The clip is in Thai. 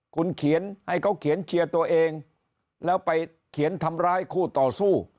คุณเขียนให้เขาเขียนเชียร์ตัวเองแล้วไปเขียนทำร้ายคู่ต่อสู้